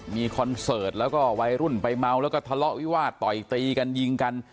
มีคอนเสิร์ตแล้วก็วัยรุ่นไปเมาแล้วก็ทะเลาะวิวาสต่อยตีกันยิงกัน